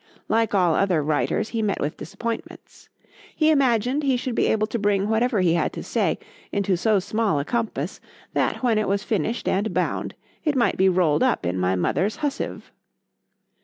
—Like all other writers, he met with disappointments.—He imagined he should be able to bring whatever he had to say, into so small a compass, that when it was finished and bound, it might be rolled up in my mother's hussive.